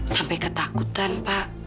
sampai ketakutan pak